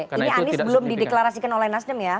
ini anies belum dideklarasikan oleh nasdem ya